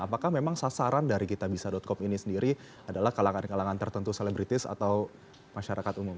apakah memang sasaran dari kitabisa com ini sendiri adalah kalangan kalangan tertentu selebritis atau masyarakat umum